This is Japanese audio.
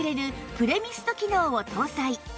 プレミスト機能を搭載